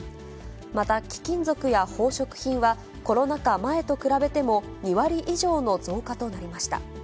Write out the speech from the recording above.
また、貴金属や宝飾品は、コロナ禍前と比べても、２割以上の増加となりました。